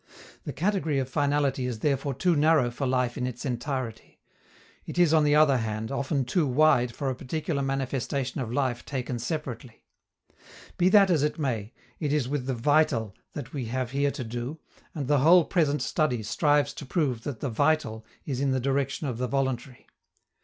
The category of finality is therefore too narrow for life in its entirety. It is, on the other hand, often too wide for a particular manifestation of life taken separately. Be that as it may, it is with the vital that we have here to do, and the whole present study strives to prove that the vital is in the direction of the voluntary.